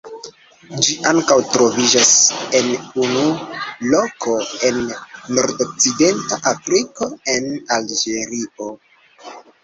Ĝi ankaŭ troviĝas en unu loko en nordokcidenta Afriko en Alĝerio.